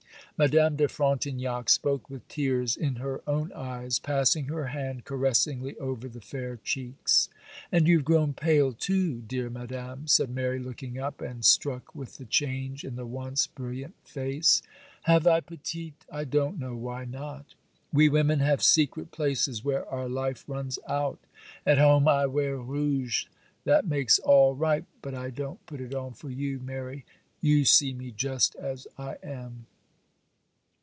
Madame de Frontignac spoke with tears in her own eyes, passing her hand caressingly over the fair cheeks. 'And you have grown pale, too, dear Madame,' said Mary, looking up, and struck with the change in the once brilliant face. 'Have I, petite? I don't know why not. We women have secret places where our life runs out. At home I wear rouge; that makes all right; but I don't put it on for you, Mary; you see me just as I am.